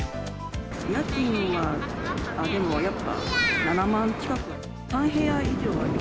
家賃はでもやっぱ７万近く。